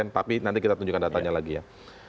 tapi nanti kita tunjukkan datanya lagi ya